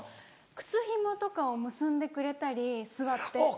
靴ひもとかを結んでくれたり座って。